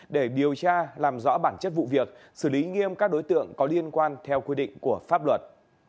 để điều tra làm rõ bản chất vụ việc xử lý nghiêm các đối tượng có liên quan theo quy định của pháp luật